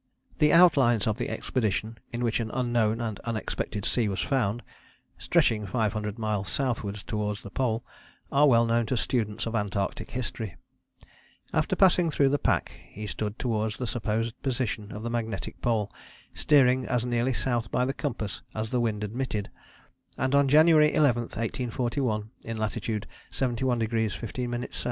" The outlines of the expedition in which an unknown and unexpected sea was found, stretching 500 miles southwards towards the Pole, are well known to students of Antarctic history. After passing through the pack he stood towards the supposed position of the magnetic Pole, "steering as nearly south by the compass as the wind admitted," and on January 11, 1841, in latitude 71° 15´ S.